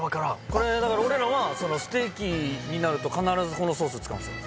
これ俺らはステーキになると必ずこのソース使うんすよ